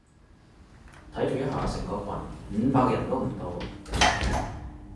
睇咗一下成個群，五百人都唔到